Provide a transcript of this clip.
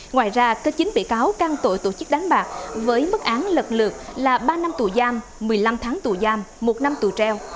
ngoài ra kết chính bị cáo căng tội tổ chức đánh bạc với mức án lật lược là ba năm tù giam một mươi năm tháng tù giam một năm tù treo